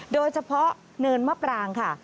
โดยเฉพาะเนินมะปรางค่ะ